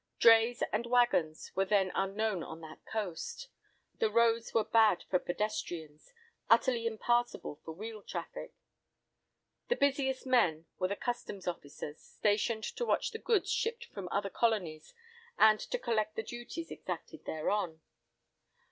Drays and waggons were then unknown on that coast. The roads were bad for pedestrians, utterly impassable for wheel traffic. The busiest men were the Customs officers, stationed to watch the goods shipped from other colonies, and to collect the duties exacted thereon.